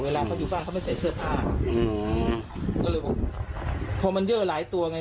เวลาเขาอยู่บ้านเขาไม่ใส่เสื้อผ้าอืมก็เลยบอกพอมันเยอะหลายตัวไง